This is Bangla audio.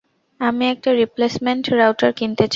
আমি একটা রিপ্লেসমেন্ট রাউটার কিনতে চাই।